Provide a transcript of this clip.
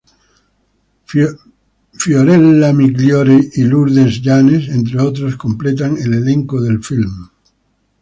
Fiorella Migliore y Lourdes Llanes, entre otros, completan el elenco del filme.